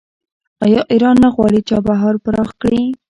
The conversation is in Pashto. آیا ایران نه غواړي چابهار پراخ کړي؟